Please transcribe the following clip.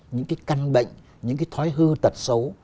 những cái căn bệnh những cái thói hư tật xấu